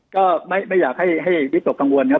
ก็ไม่อยากให้วิตกกังวลครับ